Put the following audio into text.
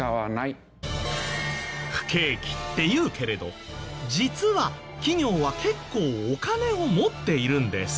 不景気って言うけれど実は企業は結構お金を持っているんです。